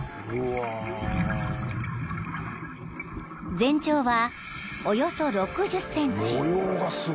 ［全長はおよそ６０ｃｍ。